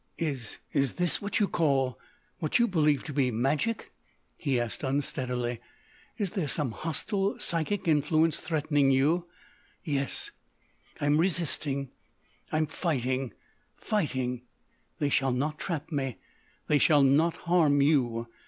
"Is—is this what you call—what you believe to be magic?" he asked unsteadily. "Is there some hostile psychic influence threatening you?" "Yes. I'm resisting. I'm fighting—fighting. They shall not trap me. They shall not harm you!...